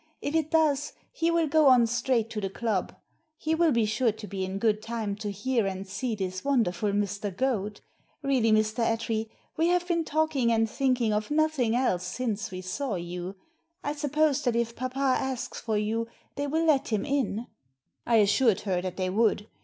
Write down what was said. If it does, he will go on straight to the club. He will be sure to be in good time to hear and see this wonderful Mr. Goad. Really, Mr. Attree, we have been talking and think ing of nothing else since we saw you. I suppose that if papa asks for you they will let him in ?" I assured her that they would.